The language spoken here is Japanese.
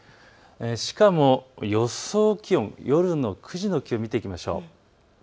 しかも予想気温、夜９時の気温を見ていきましょう。